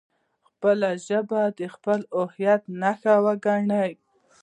خپله ژبه د خپل هویت نښه وګڼئ.